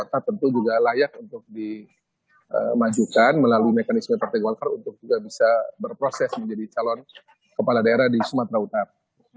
pemerintah tentu juga layak untuk dimajukan melalui mekanisme partai golkar untuk juga bisa berproses menjadi calon kepala daerah di sumatera utara